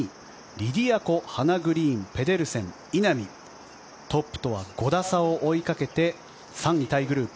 リディア・コ、ハナ・グリーンペデルセン、稲見トップとは５打差を追いかけて３位タイグループ。